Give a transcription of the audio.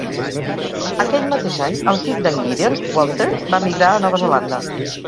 Aquell mateix any, el fill de"n Gideon, Walter, va emigrar a Nova Zelanda.